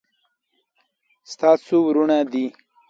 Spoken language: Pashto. ستا څو ورونه دي